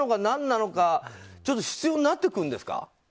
何なのか必要になってくるんですか。